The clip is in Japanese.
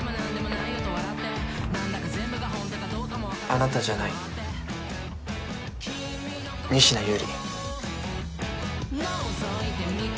あなたじゃない仁科悠里